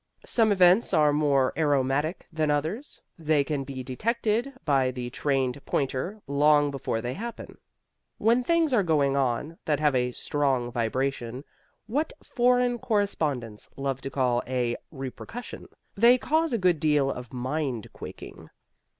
Some events are more aromatic than others; they can be detected by the trained pointer long before they happen. When things are going on that have a strong vibration what foreign correspondents love to call a "repercussion" they cause a good deal of mind quaking.